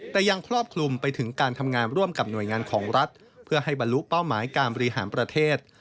แต่ยังครอบคลุมไปถึงการทำงานร่วมกับหน่วยงานของรัฐเพื่อให้บรรลุเป้าหมายการบริหารประเทศ